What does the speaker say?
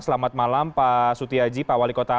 selamat malam pak sutiaji pak wali kota